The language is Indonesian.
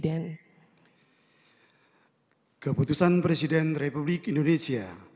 demikian keputusan presiden republik indonesia